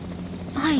はい。